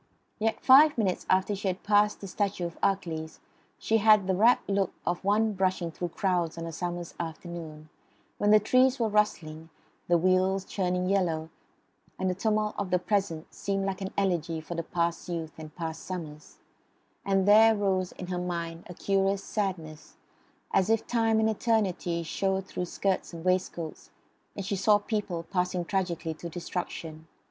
Yet five minutes after she had passed the statue of Achilles she had the rapt look of one brushing through crowds on a summer's afternoon, when the trees are rustling, the wheels churning yellow, and the tumult of the present seems like an elegy for past youth and past summers, and there rose in her mind a curious sadness, as if time and eternity showed through skirts and waistcoasts, and she saw people passing tragically to destruction.